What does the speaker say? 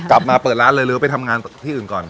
เปิดร้านเลยหรือไปทำงานที่อื่นก่อน